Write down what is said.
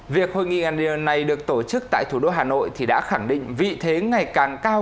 việc hội nghị này được tổ chức tại thủ đô hà nội thì đã khẳng định vị thế ngày càng cao